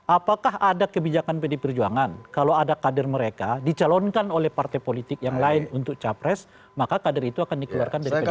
apakah ada kebijakan pd perjuangan kalau ada kader mereka dicalonkan oleh partai politik yang lain untuk capres maka kader itu akan dikeluarkan dari pdi perjuangan